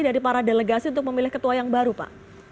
dari para delegasi untuk memilih ketua yang baru pak